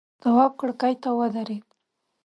تواب کرکۍ ته ودرېد.